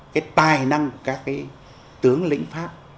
cái tài năng của các tướng lĩnh pháp